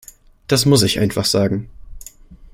Das muss ich einfach sagen.